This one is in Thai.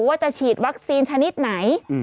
ว่าจะฉีดวัคซีนชนิดไหน